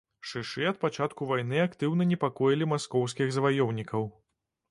Шышы ад пачатку вайны актыўна непакоілі маскоўскіх заваёўнікаў.